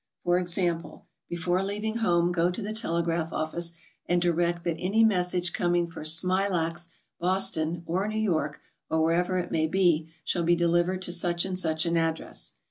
For example, before leaving home go to the telegraph office and direct that any message coming for "Smilax, Bos ton,'' or New York, or wherever it maybe, shall be delivered to sudh and such an address.